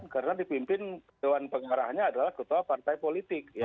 karena dipimpin dewan pengarahnya adalah ketua partai politik